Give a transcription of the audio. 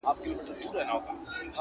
پوهنتون د میني ولوله بس یاره,